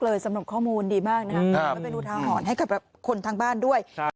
เลยสำหรับข้อมูลดีมากนะครับให้กับคนทางบ้านด้วย